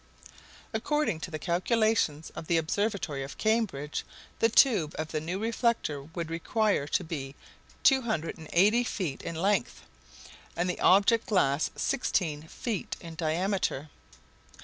According to the calculations of the Observatory of Cambridge, the tube of the new reflector would require to be 280 feet in length, and the object glass sixteen feet in diameter.